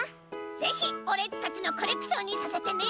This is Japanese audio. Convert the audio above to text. ぜひオレっちたちのコレクションにさせてね！